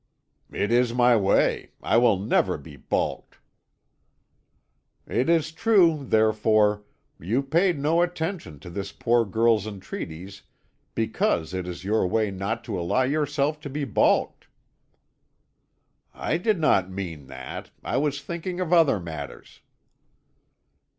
"It is my way; I will never be baulked." "It is true, therefore; you paid no attention to this poor girl's entreaties because it is your way not to allow yourself to be baulked." "I did not mean that; I was thinking of other matters."